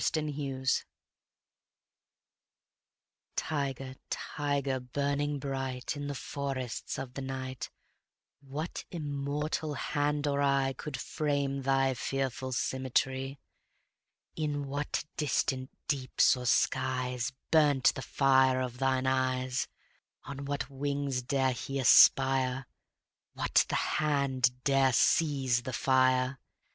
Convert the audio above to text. The Tiger TIGER, tiger, burning bright In the forests of the night, What immortal hand or eye Could frame thy fearful symmetry? In what distant deeps or skies Burnt the fire of thine eyes? On what wings dare he aspire? What the hand dare seize the fire?